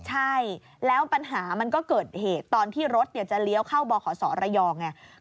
ใช่แล้วปัญหามันก็เกิดเหตุตอนที่รถเนี่ยจะเลี้ยวเข้าบ่ขอสอระยองเนี่ย